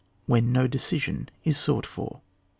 WHEN NO DECISION IB SOUGHT FOB.